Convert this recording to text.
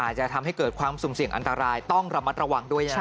จะทำให้เกิดความสุ่มเสี่ยงอันตรายต้องระมัดระวังด้วยนะครับ